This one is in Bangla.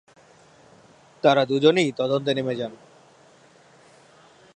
তারা দুজনেই তদন্তে নেমে যান।